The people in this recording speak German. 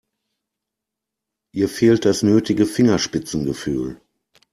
Ihr fehlt das nötige Fingerspitzengefühl.